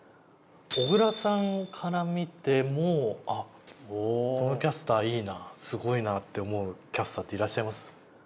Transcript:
小倉さんから見てもあっこのキャスターいいなすごいなって思うキャスターっていらっしゃいます？